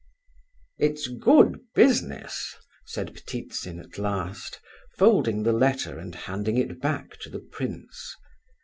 "It's good business," said Ptitsin, at last, folding the letter and handing it back to the prince.